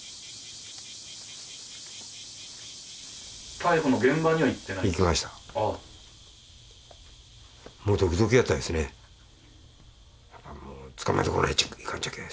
逮捕の現場には行ってない？